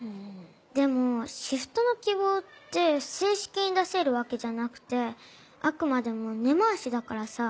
でもシフトの希望って正式に出せるわけじゃなくてあくまでも根回しだからさ。